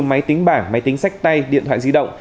máy tính bảng máy tính sách tay điện thoại di động